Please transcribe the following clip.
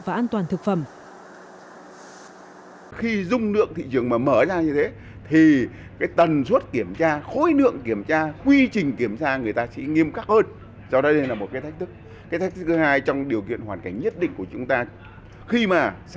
và an toàn thực phẩm